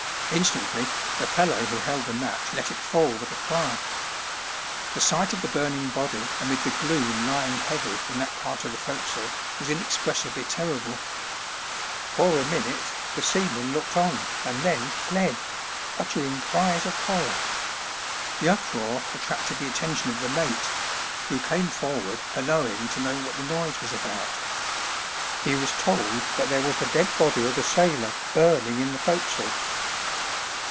Instantly the fellow who held the match let it fall with a cry. The sight of the burning body amid the gloom lying heavy in that part of the forecastle was inexpres sibly terrible. For a minute the seamen looked on and then fled, uttering cries of horror. The uproar attracted the attention of the mate, who came forward halloaing to know what the noise was about. He was told that there was the dead body of a sailor burning in the forecastle.